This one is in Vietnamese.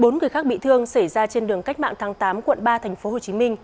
bốn người khác bị thương xảy ra trên đường cách mạng tháng tám quận ba tp hcm